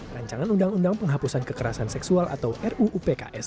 rancangan undang undang penghapusan kekerasan seksual atau ruupks